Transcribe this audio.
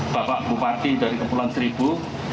bapak bupati dari kepulauan seribu